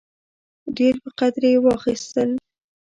ډېر په قدر یې واخیستل.